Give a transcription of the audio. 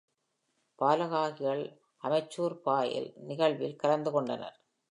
பாலகாகிகள் amateur foil நிகழ்வில் கலந்து கொண்டனர்.